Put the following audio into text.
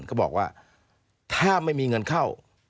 ก็บอกว่าถ้าไม่มีเงินเข้า